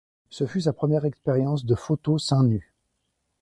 Ce fut sa première expérience de photos seins nus.